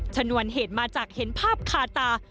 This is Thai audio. ชนวนเหตุมาจากเห็นภาพคาตา